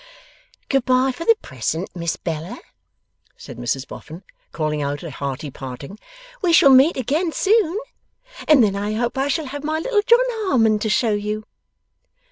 'Good bye for the present, Miss Bella,' said Mrs Boffin, calling out a hearty parting. 'We shall meet again soon! And then I hope I shall have my little John Harmon to show you.